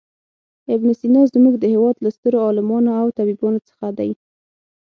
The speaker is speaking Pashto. ابن سینا زموږ د هېواد له سترو عالمانو او طبیبانو څخه دی.